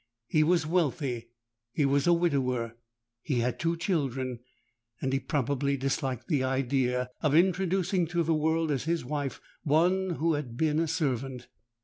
He was wealthy—he was a widower—he had two children; and he probably disliked the idea of introducing to the world as his wife one who had been a servant.